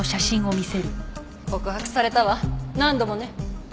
告白されたわ何度もね。